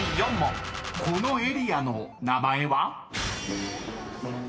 ［このエリアの名前は？］